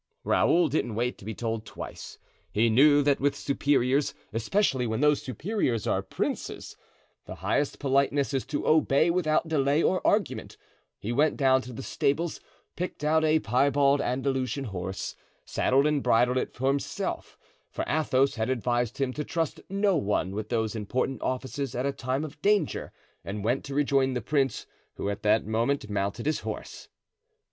Raoul didn't wait to be told twice; he knew that with superiors, especially when those superiors are princes, the highest politeness is to obey without delay or argument; he went down to the stables, picked out a pie bald Andalusian horse, saddled and bridled it himself, for Athos had advised him to trust no one with those important offices at a time of danger, and went to rejoin the prince, who at that moment mounted his horse.